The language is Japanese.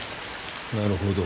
なるほど。